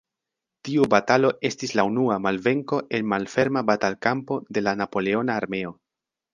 Tiu batalo estis la unua malvenko en malferma batalkampo de la Napoleona armeo.